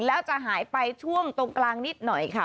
แล้วจะหายไปช่วงตรงกลางนิดหน่อยค่ะ